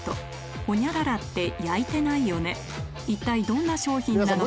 一体どんな商品なのか？